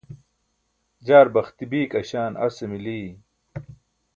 jaar baxti biik aśaan ase mili!